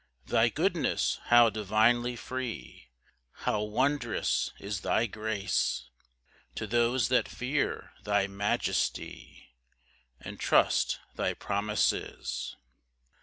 ] 6 Thy goodness how divinely free! How wondrous is thy grace To those that fear thy majesty, And trust thy promises!